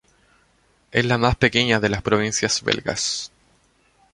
Es la más pequeña de las provincias belgas.